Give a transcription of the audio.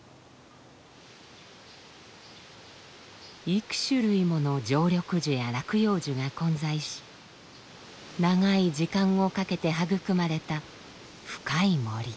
幾種類もの常緑樹や落葉樹が混在し長い時間をかけて育まれた深い森。